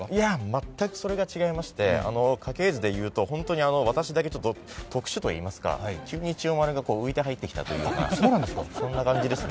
全くそれが違いまして家系図で言うと私だけちょっと異色といいますか、急に千代丸が浮いて入ってきたというか。